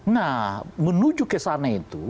nah menuju ke sana itu